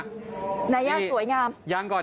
ไหนยังสวยงาม